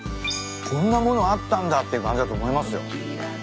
こんな物あったんだって感じだと思いますよ。